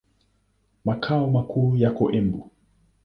Makao makuu yako Embu.